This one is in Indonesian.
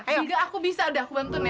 juga aku bisa udah aku bantuin ya